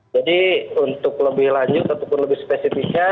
untuk lebih lanjut ataupun lebih spesifiknya